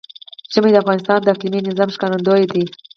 ژمی د افغانستان د اقلیمي نظام ښکارندوی ده.